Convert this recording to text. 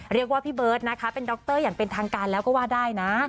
เรียกว่าพี่เบิร์ตนะคะเป็นดรอย่างเป็นทางการแล้วก็ว่าได้นะ